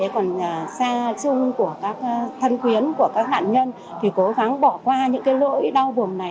còn xa chung của các thân khuyến của các nạn nhân thì cố gắng bỏ qua những lỗi đau buồn này